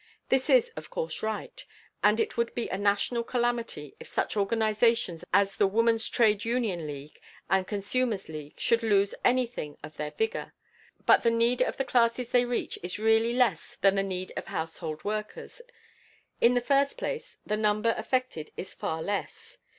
This is, of course, right, and it would be a national calamity if such organizations as the Woman's Trade Union League and the Consumer's League should lose anything of their vigor. But the need of the classes they reach is really less than the need of household workers. In the first place, the number affected is far less.